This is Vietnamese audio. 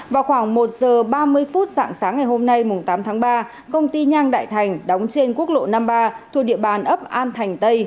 vào khoảng một giờ ba mươi phút sáng sáng ngày hôm nay tám tháng ba công ty nhang đại thành đóng trên quốc lộ năm mươi ba thuộc địa bàn ấp an thành tây